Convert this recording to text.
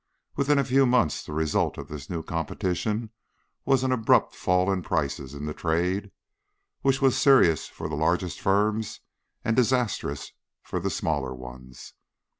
Within a few months the result of this new competition was an abrupt fall of prices in the trade, which was serious for the largest firms and disastrous for the smaller ones.